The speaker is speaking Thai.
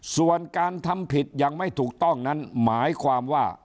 ส่วนการทำผิดยังไม่ถูกต้องนั้นหมายความว่า